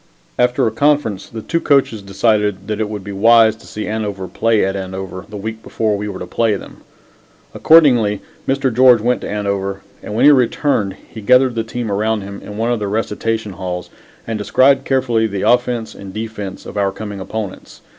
After a conference, the two coaches decided that it would be wise to see Andover play at Andover the week before we were to play them. Accordingly, Mr. George went to Andover, and when he returned, he gathered the team around him in one of the recitation halls and described carefully the offense and defense of our coming opponents.